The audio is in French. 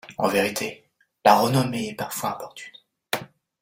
En vérité, la renommée est parfois importune.